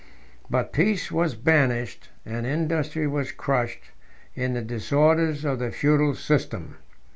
But peace was banished, and industry was crushed, in the disorders of the feudal system.